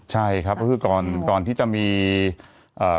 ใช่ครับก็คืออ่าก่อนโอ๊ยตอนที่จะมีอ่า